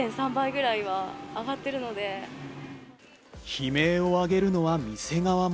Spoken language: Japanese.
悲鳴をあげるのは店側も。